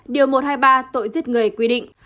điều một trăm hai mươi ba tội giết người quy định